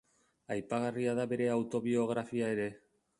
Aipagarria da bere autobiografia ere.